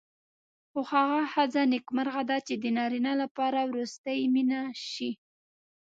خو هغه ښځه نېکمرغه ده چې د نارینه لپاره وروستۍ مینه شي.